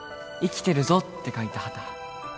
「生きてるぞ！」って書いた旗。